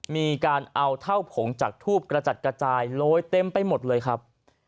มีการเอาเท่าผงจากทูบกระจัดกระจายโรยเต็มไปหมดเลยครับ